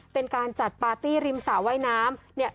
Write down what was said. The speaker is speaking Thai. เป็นการจัดปาร์ตี้ริมสระว่ายน้ำ